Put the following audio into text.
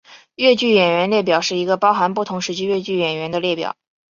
越剧演员列表是一个包含不同时期越剧演员的列表。